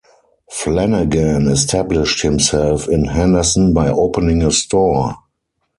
Flanagan established himself in Henderson by opening a store.